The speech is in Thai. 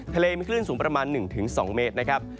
ทะเลมีคลื่นสูงประมาณ๑๒เมตรนะครับ